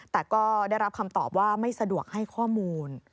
แต่ก็ได้รับคำตอบว่าไม่สะดวกให้ข้อมูล